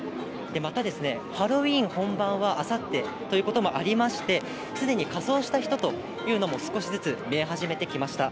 また、ハロウィーン本番はあさってということもありまして、すでに仮装した人というのも少しずつ見え始めてきました。